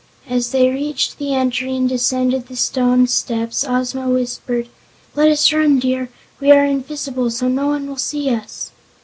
As they reached the entry and descended the stone steps, Ozma whispered: "Let us run, dear! We are invisible, so no one will see us."